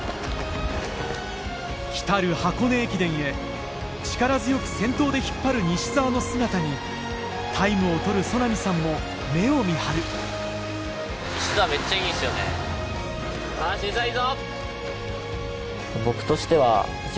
来る箱根駅伝へ力強く先頭で引っ張る西澤の姿にタイムを取る曽波さんも目を見張る西澤いいぞ！